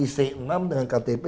apalagi sekarang ada tamasya al maida